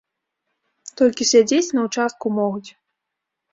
Толькі сядзець на ўчастку могуць.